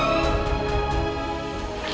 saat yang rhuda